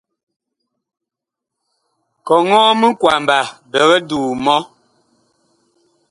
Kɔŋɔɔ minkwamba biig duu mɔ.